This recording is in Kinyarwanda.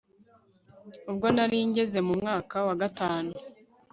Ubwo naringeze mu mwaka wagatanu